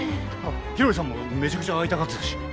廣井さんもめちゃくちゃ会いたがってたし。